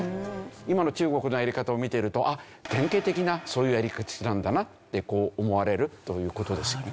今の中国のやり方を見てるとあっ典型的なそういうやり口なんだなって思われるという事ですよね。